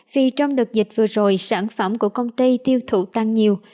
vì trong đợt dịch vừa rồi sản phẩm của công ty tiêu thụ tăng nhiều